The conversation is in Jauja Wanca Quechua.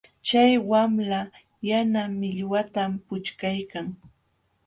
Chay wamla yana millwatam puchkaykan.